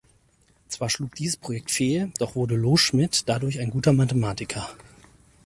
Zwar schlug dieses Projekt fehl, doch wurde Loschmidt dadurch ein guter Mathematiker.